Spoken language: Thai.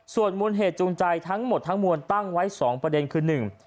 ส่วนมูลเหตุจูงใจทั้งหมดทั้งมวลตั้งไว้สองประเด็นคือหนึ่ง